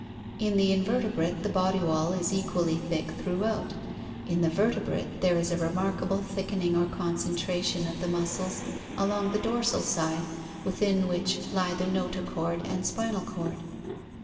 In the invertebrate the body wall is equally thick throughout, in the vertebrate there is a remarkable thickening or concentration of the muscles along the dorsal side within which lie the notochord and spinal cord.